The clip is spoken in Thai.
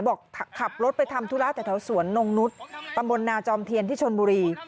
บอกขับรถไปทำธุระแต่แถวสวนนงนุษย์ตำบลนาจอมเทียนที่ชนบุรี